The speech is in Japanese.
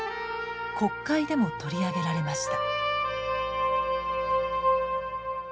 国会でも取り上げられました。